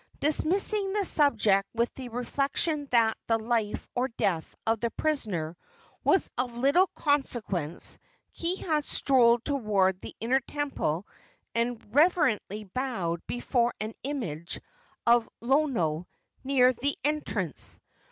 Dismissing the subject with the reflection that the life or death of the prisoner was of little consequence, Kiha strolled toward the inner temple and reverently bowed before an image of Lono near the entrance.